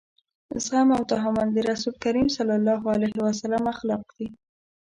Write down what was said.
زغم او تحمل د رسول کريم صلی الله علیه وسلم اخلاق دي.